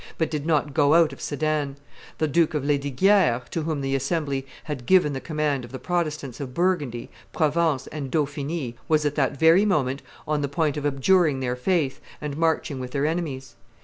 but did not go out of Sedan; the Duke of Lesdiguieres, to whom the assembly had given the command of the Protestants of Burgundy, Provence, and Dauphiny, was at that very moment on the point of abjuring their faith and marching with their enemies.